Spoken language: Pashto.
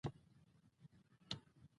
لوی پياوړ شتمنو له ځایه نه وي.